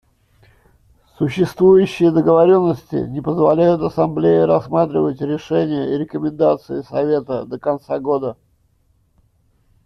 Существующие договоренности не позволяют Ассамблее рассматривать решения и рекомендации Совета до конца года.